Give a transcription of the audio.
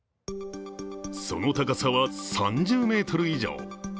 その高さは３０ｍ以上。